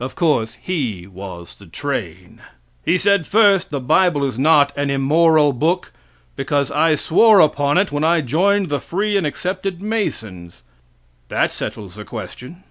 Of course he was the train. He said, first, the bible is not an immoral book, because I swore upon it when I joined the Free and Accepted Masons. That settles the question.